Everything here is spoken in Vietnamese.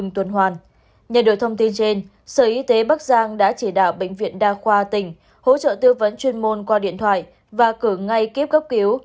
theo tin trên sở y tế bắc giang đã chỉ đạo bệnh viện đa khoa tỉnh hỗ trợ tư vấn chuyên môn qua điện thoại và cử ngay kiếp gấp cứu